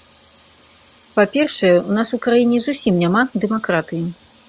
Па-першае, у нас у краіне зусім няма дэмакратыі.